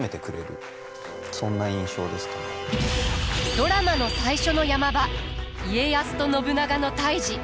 ドラマの最初の山場家康と信長の対じ。